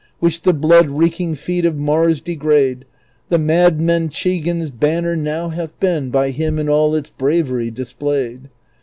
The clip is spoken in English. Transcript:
Which the blood reeking feet of Mars degrade, The mad ]\[anchegan's banner now hath been By him in all its bravery displayed.